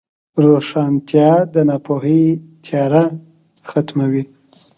روښانتیا د ناپوهۍ تیاره ختموي.